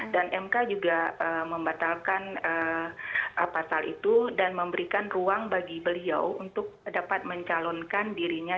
dan mk juga membatalkan pasal itu dan memberikan ruang bagi beliau untuk dapat mencalonkan dirinya